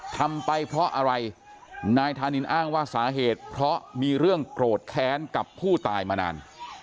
ทำไปเพราะอะไรนายธานินอ้างว่าสาเหตุเพราะมีเรื่องโกรธแค้นกับผู้ตายมานาน